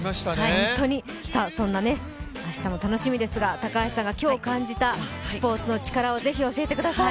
そんな明日も楽しみですが高橋さんが今日感じた、スポーツのチカラを教えてください。